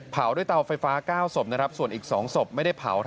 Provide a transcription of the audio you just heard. เผาด้วยเตาไฟฟ้า๙ศพส่วนอีก๒ศพไม่ได้เผา